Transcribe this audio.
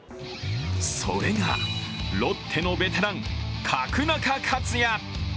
それがロッテのベテラン角中勝也。